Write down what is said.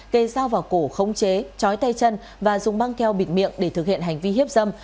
kê dao vào cổ khống chế chói tay chân và dùng băng keo bịt miệng để thực hiện hành vi hiếp dâm